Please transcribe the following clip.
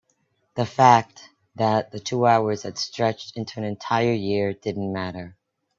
the fact that the two hours had stretched into an entire year didn't matter.